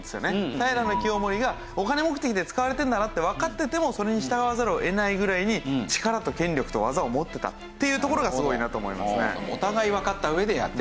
平清盛がお金目的で使われてるんだなってわかっててもそれに従わざるを得ないぐらいに力と権力と技を持ってたっていうところがすごいなと思いますね。